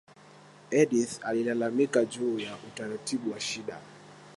edith alilalamika juu ya utabiri wa shida